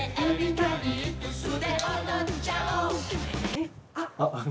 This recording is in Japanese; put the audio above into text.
えっあっ！